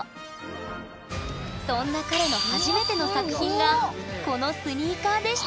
そんな彼の初めての作品がこのスニーカーでした